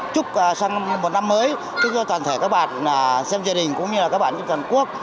chúc sang một năm mới tất cả toàn thể các bạn xem gia đình cũng như các bạn trong toàn quốc